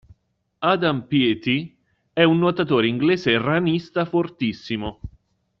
Adam Peaty è un nuotatore inglese ranista fortissimo.